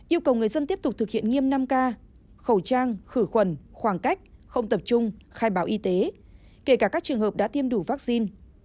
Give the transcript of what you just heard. yêu cầu người dân tiếp tục thực hiện nghiêm năm k khẩu trang khử khuẩn khoảng cách không tập trung khai báo y tế kể cả các trường hợp đã tiêm đủ vaccine